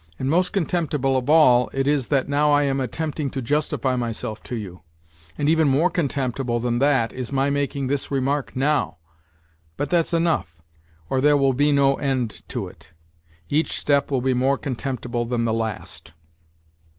And most contemptible of all it is that now I am attempting to justify myself to you. And even more con temptible than that is my making this remark now. But that's enough, or there will be no end to it : each step will be more contemptible than the last.